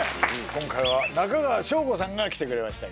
今回は中川翔子さんが来てくれました